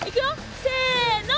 せの。